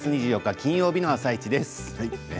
金曜日の「あさイチ」です。